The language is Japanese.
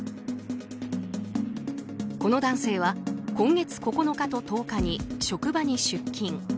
この男性は今月９日と１０日に職場に出勤。